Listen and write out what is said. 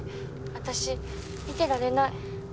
「私見てられない」